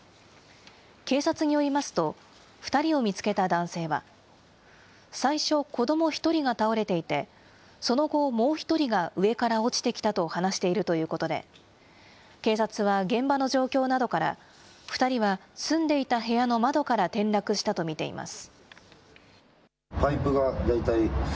警察によりますと、２人を見つけた男性は、最初、子ども１人が倒れていて、その後、もう１人が上から落ちてきたと話しているということで、警察は現場の状況などから、２人は住んでいた部屋の窓から転落したと見ています。